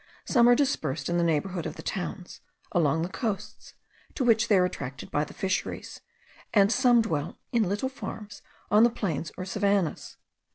Some are dispersed in the neighbourhood of the towns, along the coasts, to which they are attracted by the fisheries, and some dwell in little farms on the plains or savannahs.